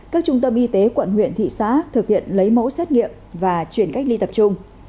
các trung tâm y tế quận huyện thị xã thực hiện lấy mẫu xét nghiệm và chuyển cách ly tập trung